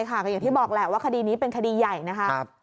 ก็อย่างที่บอกแหละว่าคดีนี้เป็นคดีใหญ่นะครับ